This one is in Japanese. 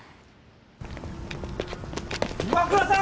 岩倉さん！